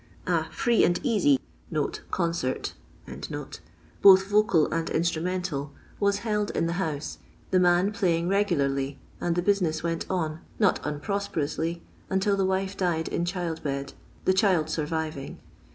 A "free and easy" (con cert), both vocal and instrumental, was held in the house, the man playing regularly, and the business went on, not unprosperously, until the wife died in child bed, the child surviving.